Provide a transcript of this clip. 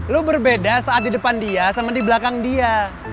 lo berbeda saat di depan dia sama di belakang dia